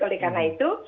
oleh karena itu